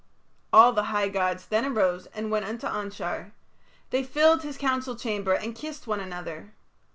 All the high gods then arose and went unto Anshar, They filled his council chamber and kissed one another.